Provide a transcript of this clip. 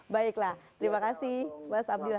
baiklah terima kasih mas abdillah